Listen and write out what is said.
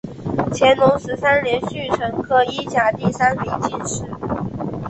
乾隆十三年戊辰科一甲第三名进士。